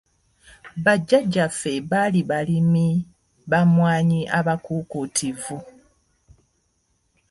Ba Jjajjaffe bali balimi ba mmwanyi abakuukutivu!